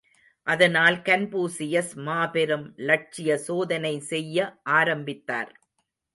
அதனால் கன்பூசியஸ் மாபெரும் லட்சிய சோதனை செய்ய ஆரம்பித்தார்.